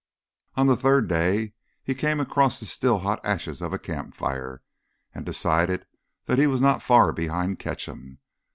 On the third day he came across the still hot ashes of a campfire, and decided that he was not far behind Ketcham.